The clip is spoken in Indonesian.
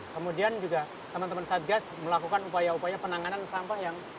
kemudian juga teman teman satgas melakukan upaya upaya penanganan sampah yang